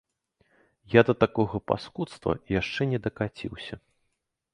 Я да такога паскудства яшчэ не дакаціўся.